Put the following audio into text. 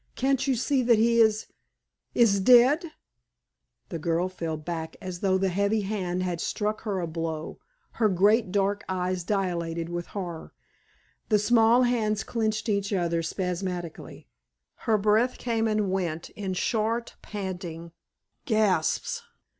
"Can't you see that he is is dead?" The girl fell back as though the heavy hand had struck her a blow; her great dark eyes dilated with horror; the small hands clinched each other spasmodically; her breath came and went in short, panting; gasps.